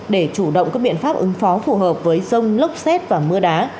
để chủ động các biện pháp ứng phó phù hợp với rông lốc xét và mưa đá